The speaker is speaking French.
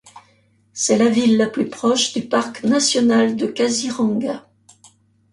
C’est la ville la plus proche du parc national de Kaziranga.